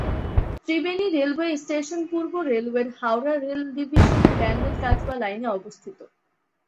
Triveni railway স্টেশনটি পূর্ব রেলওয়ের হাওড়া রেল ডিভিশনে ব্যান্ডেল-কাটোয়া লাইনে অবস্থিত।